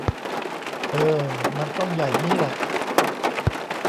เออ มันต้องใหญ่งี้แหละ